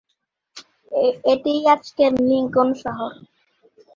এটিই আজকের লিংকন শহর।